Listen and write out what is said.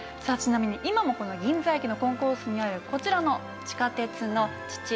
さあちなみに今もこの銀座駅のコンコースにあるこちらの地下鉄の父